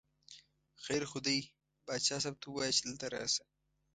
خیر خو دی، باچا صاحب ته ووایه چې دلته راشه.